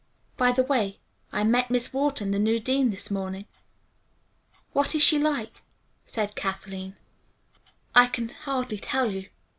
By the way, I met Miss Wharton, the new dean, this morning." "What is she like?" asked Kathleen. "I can hardly tell you.